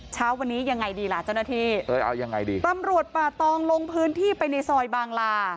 เช้าวันนี้ยังไงดีล่ะเจ้าหน้าที่เอ้ยเอายังไงดีตำรวจป่าตองลงพื้นที่ไปในซอยบางลา